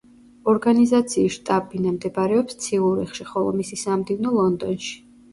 ორგანიზაციის შტაბ-ბინა მდებარეობს ციურიხში, ხოლო მისი სამდივნო ლონდონში.